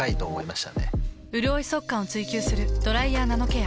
うるおい速乾を追求する「ドライヤーナノケア」。